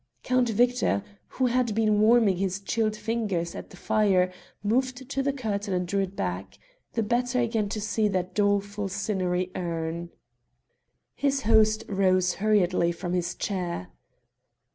Count Victor, who had been warming his chilled fingers at the fire, moved to the curtain and drew it back, the better again to see that doleful cinerary urn. His host rose hurriedly from his chair.